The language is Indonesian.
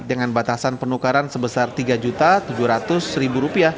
dengan batasan penukaran sebesar rp tiga tujuh ratus